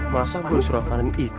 masa gua surah surahin itu